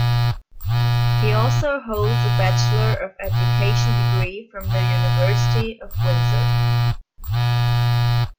He also holds a Bachelor of Education degree from the University of Windsor.